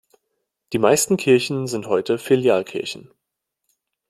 Die meisten Kirchen sind heute Filialkirchen.